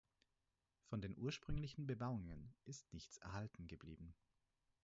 Von den ursprünglichen Bebauungen ist nichts erhalten geblieben.